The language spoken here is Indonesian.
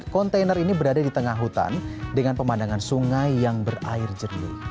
kontainer ini berada di tengah hutan dengan pemandangan sungai yang berair jernih